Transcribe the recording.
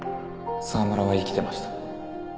沢村は生きてました。